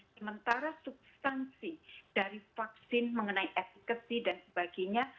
sementara substansi dari vaksin mengenai efekasi dan sebagainya